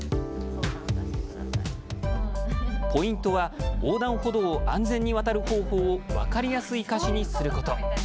ポイントは横断歩道を安全に渡る方法を分かりやすい歌詞にすること。